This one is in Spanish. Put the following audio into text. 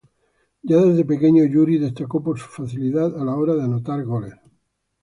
Ya desde pequeño, Yuri destacó por su facilidad a la hora de anotar goles.